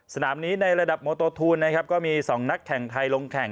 สนามนี้ในระดับมอโตโทนมี๒นักแข่งไทยลงแข่ง